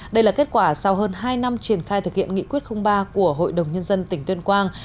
đây là kết quả sau hơn hai năm triển khai thực hiện nghị quyết ba của hội đồng nhân dân tỉnh tuyên quang